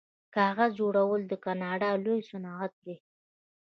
کاغذ جوړول د کاناډا لوی صنعت دی.